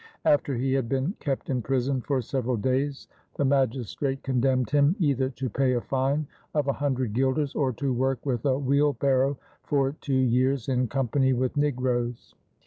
After he had been kept in prison for several days, the magistrate condemned him either to pay a fine of a hundred guilders or to work with a wheelbarrow for two years in company with negroes.